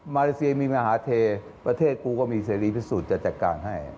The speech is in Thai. มาเลเซียมีมหาเทประเทศกูก็มีเสรีพิสูจน์จะจัดการให้